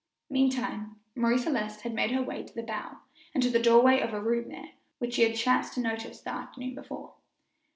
Meantime, Marie Celeste had made her way to the bow, and to the doorway of a room there, which she had chanced to notice the afternoon before.